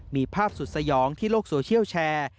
มีภาพสุดสยองที่โลกโซเชียลแชร์